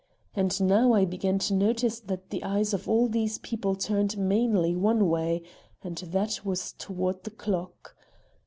And now I began to notice that the eyes of all these people turned mainly one way, and that was toward the clock.